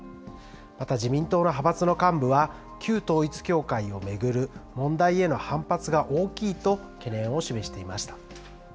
また自民党の派閥の幹部は、旧統一教会を巡る問題への反発が大きいと懸念を示していました。